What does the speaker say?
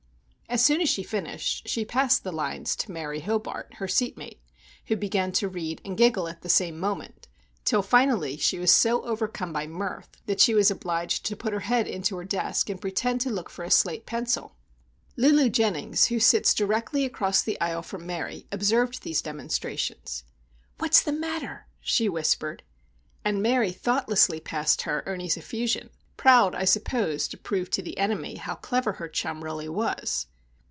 As soon as finished, she passed the lines to Mary Hobart, her seatmate, who began to read and giggle at the same moment,—till finally she was so overcome by mirth that she was obliged to put her head into her desk, and pretend to look for a slate pencil. Lulu Jennings, who sits directly across the aisle from Mary, observed these demonstrations. "What's the matter?" she whispered. And Mary thoughtlessly passed her Ernie's effusion;—proud, I suppose, to prove to the enemy how clever her chum really was.